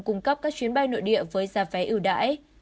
cung cấp các chuyến bay nội địa với giá vé ưu đãi